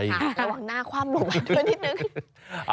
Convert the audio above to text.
ระหว่างหน้าคว่ำลงมาด้วยนิดนึง